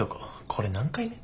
これ何回目？